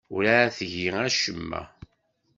Werɛad tgi acemma.